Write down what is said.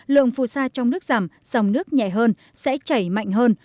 lượng phù sa trong nước giảm dòng nước nhẹ hơn sẽ chảy mạnh hơn